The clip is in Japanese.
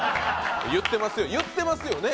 言ってますよ、言ってますよね。